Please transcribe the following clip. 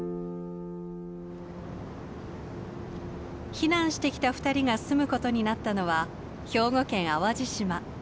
避難してきた二人が住むことになったのは兵庫県淡路島。